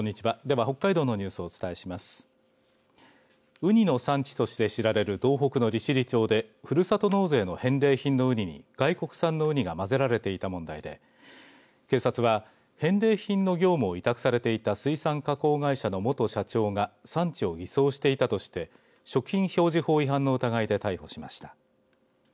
うにの産地として知られる道北の利尻町でふるさと納税の返礼品のうにに外国産のうにが混ぜられていた問題で警察は返礼品の業務を委託されていた水産加工会社の元社長が産地を偽装していたとして食品表示法違反の疑いで逮捕されました。